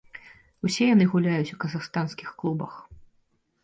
Усе яны гуляюць у казахстанскіх клубах.